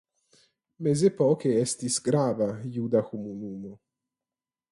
Mezepoke estis grava juda komunumo.